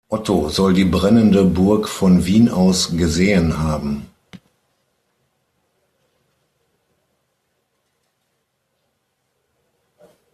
Otto soll die brennende Burg von Wien aus gesehen haben.